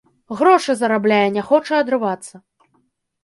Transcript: Грошы зарабляе, не хоча адрывацца.